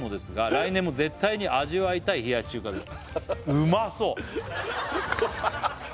「来年も絶対に味わいたい冷やし中華です」